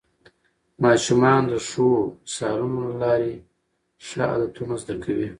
ماشومان د ښو مثالونو له لارې ښه عادتونه زده کوي